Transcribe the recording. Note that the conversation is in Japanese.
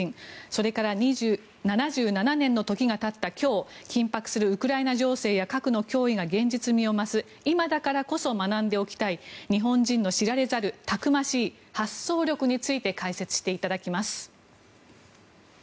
それから７７年の時がたった今日緊迫するウクライナ情勢や核の脅威が現実味を増す今だからこそ学んでおきたい日本人の知られざるたくましい発想力について解説していただきます。